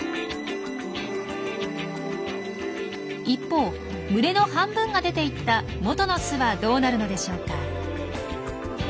一方群れの半分が出ていった元の巣はどうなるのでしょうか？